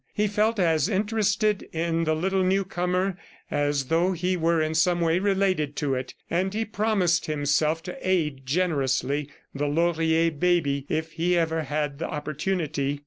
He felt as interested in the little newcomer as though he were in some way related to it, and he promised himself to aid generously the Laurier baby if he ever had the opportunity.